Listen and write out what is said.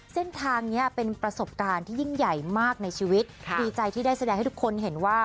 เส้นทางนี้เป็นประสบการณ์ที่ยิ่งใหญ่มากในชีวิตดีใจที่ได้แสดงให้ทุกคนเห็นว่า